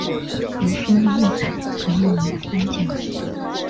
油松的木材可用于一般建筑。